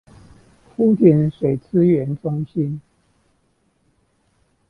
福田水資源中心